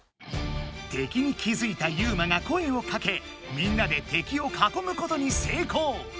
敵に気づいたユウマが声をかけみんなで敵を囲むことに成功。